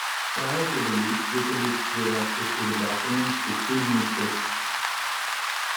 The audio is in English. Prior to the leak, WikiLeaks gave access to the documents to three newspapers.